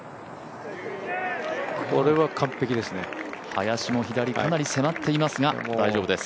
林も左、かなり迫っていますが大丈夫です。